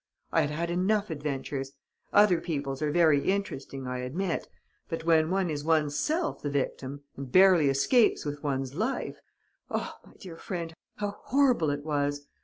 I had had enough adventures! Other people's are very interesting, I admit. But when one is one's self the victim and barely escapes with one's life?... Oh, my dear friend, how horrible it was!